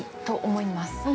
◆思います！